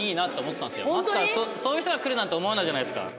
まさかそういう人が来るなんて思わないじゃないですか。